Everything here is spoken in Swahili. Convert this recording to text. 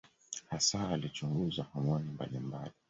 Hasa alichunguza homoni mbalimbali.